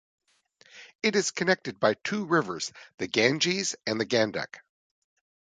It is connected by two rivers, the Ganges and the Gandak.